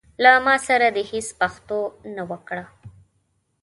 له ما سره دي هيڅ پښتو نه وکړه.